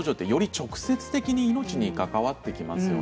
直接的に命に関わってきます。